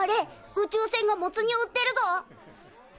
宇宙船がモツ煮を売ってるぞ！